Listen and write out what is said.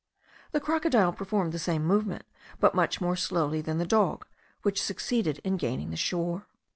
The crocodile performed the same movement, but much more slowly than the dog, which succeeded in gaining the shore.